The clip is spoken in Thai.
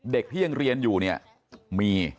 เด็กที่ยังเรียนอยู่เนี่ยมี